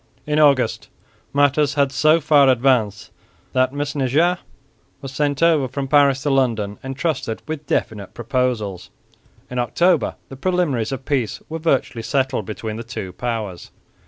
In August matters had so far advanced that Mesnager was sent over from Paris to London entrusted with definite proposals. In October the preliminaries of peace were virtually settled between the two powers.